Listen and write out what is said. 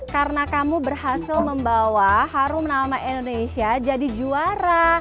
karena kamu berhasil membawa harum nama indonesia jadi juara